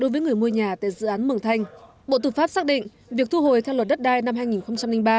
đối với người mua nhà tại dự án mường thanh bộ tư pháp xác định việc thu hồi theo luật đất đai năm hai nghìn ba